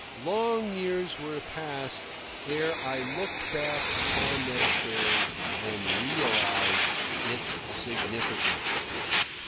Long years were to pass ere I looked back upon that day and realised its significance.